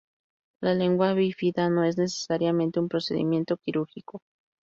La lengua bífida no es necesariamente un procedimiento quirúrgico.